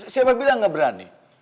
siapa bilang gak berani